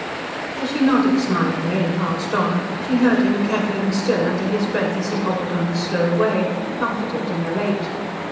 As she nodded smilingly and passed on, she heard him cackling still under his breath as he hobbled on his slow way, comforted and elate.